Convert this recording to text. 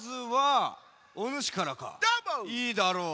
いいだろう。